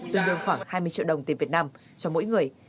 tương đương khoảng hai mươi triệu đồng tiền việt nam cho mỗi người